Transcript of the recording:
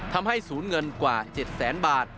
ทำให้ศูนย์เงินกว่า๗แสนบาท